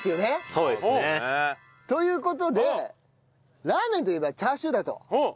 そうですね。という事でラーメンといえばチャーシューだと。